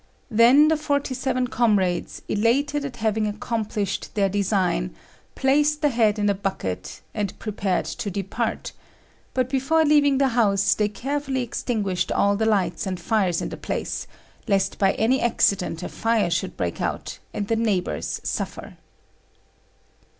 Then the forty seven comrades, elated at having accomplished their design, placed the head in a bucket, and prepared to depart; but before leaving the house they carefully extinguished all the lights and fires in the place, lest by any accident a fire should break out and the neighbours suffer.